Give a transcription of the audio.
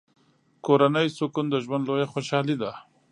کورنی سکون د ژوند لویه خوشحالي ده.